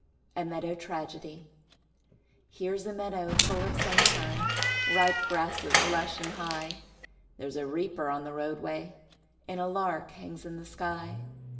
A MEADOW TRAGEDY Here's a meadow full of sunshine Ripe grasses lush and high; There's a reaper on the roadway, And a lark hangs in the sky.